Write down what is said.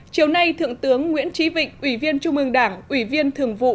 chiều nay thượng tướng nguyễn trí vịnh ủy viên trung ương đảng ủy viên thường vụ